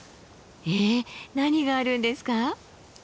えっ何があるんですか？